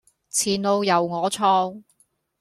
前路由我創